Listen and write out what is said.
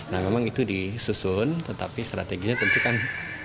nah memang itu disusun tetapi strateginya tentu kan